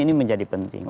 ini menjadi penting